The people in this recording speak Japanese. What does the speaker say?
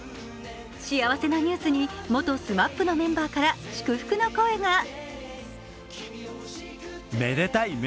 幸せなニュースに元ＳＭＡＰのメンバーから祝福の声が。